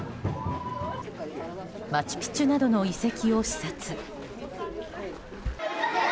マチュピチュなどの遺跡を視察。